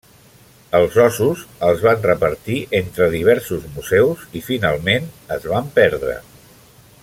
Els ossos els van repartir entre diversos museus i finalment es van perdre.